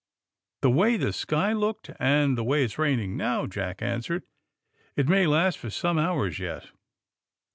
*'The way the sky looked, and the way it's raining now," Jack answered, *4t may last for some hours yet."